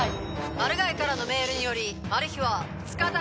マルガイからのメールによりマルヒはつかだ